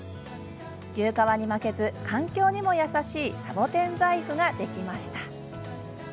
牛革に負けず、環境にも優しいサボテン財布ができました。